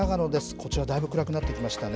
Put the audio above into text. こちら、だいぶ暗くなってきましたね。